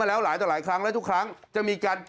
อาวาสมีการฝังมุกอาวาสมีการฝังมุกอาวาสมีการฝังมุก